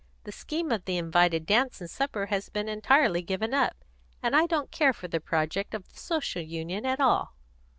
The scheme of the invited dance and supper has been entirely given up. And I don't care for the project of the Social Union at all."